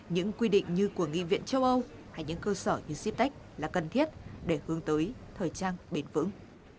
những quy định như của nghị viện châu âu hay những cơ sở như siptech là cần thiết để hướng tới thời trang bền vững